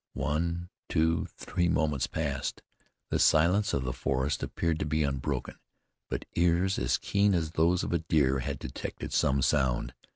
One, two, three moments passed. The silence of the forest appeared to be unbroken; but ears as keen as those of a deer had detected some sound.